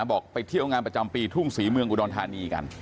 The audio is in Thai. ไปเที่ยวงานประจำปีทุ่งศรีเมืองอุดรธานีกัน